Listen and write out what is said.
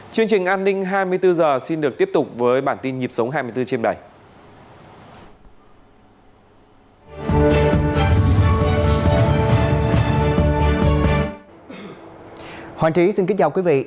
chương trình an ninh hai mươi bốn h xin được tiếp tục với bản tin nhịp sống hai mươi bốn trên bảy